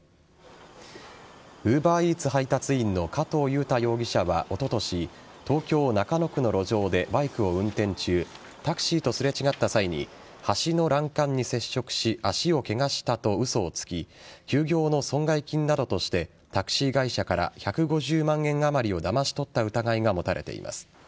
ＵｂｅｒＥａｔｓ配達員の加藤雄太容疑者はおととし東京・中野区の路上でバイクを運転中タクシーとすれ違った際に橋の欄干に接触し足をケガしたと嘘をつき休業の損害金などとしてタクシー会社から１５０万円あまりをだまし取った疑いが持たれています。